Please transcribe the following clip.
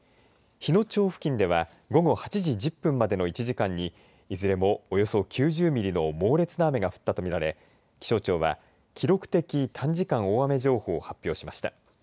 日野町付近では午後８時１０分までの１時間にいずれも、およそ９０ミリの猛烈な雨が降ったと見られ気象庁は記録的短時間大雨情報を発表しました。